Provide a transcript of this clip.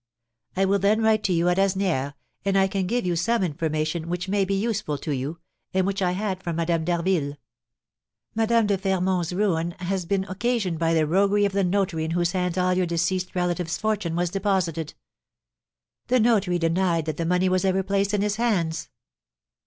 "I will then write to you at Asnières, and I can give you some information which may be useful to you, and which I had from Madame d'Harville. Madame de Fermont's ruin has been occasioned by the roguery of the notary in whose hands all your deceased relative's fortune was deposited. The notary denied that the money was ever placed in his hands."